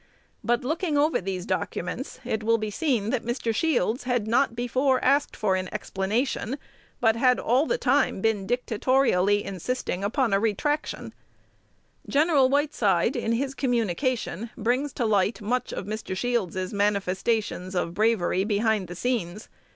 By looking over these documents, it will be seen that Mr. Shields had not before asked for an explanation, but had all the time been dictatorily insisting on a retraction. Gen. Whiteside, in his communication, brings to light much of Mr. Shields's manifestations of bravery behind the scenes.